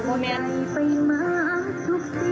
ใส่พ่ออย่างสีถามได้ดูดิโอ้ย